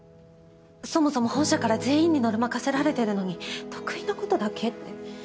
そもそも本社から全員にノルマ課せられてるのに得意なことだけって。